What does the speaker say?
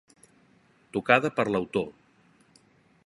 Tocada per l'autor: